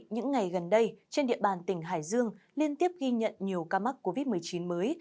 những ngày gần đây trên địa bàn tỉnh hải dương liên tiếp ghi nhận nhiều ca mắc covid một mươi chín mới